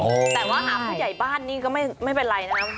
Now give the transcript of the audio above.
แต่ว่าหาผู้ใหญ่บ้านนี่ก็ไม่เป็นไรนะครับ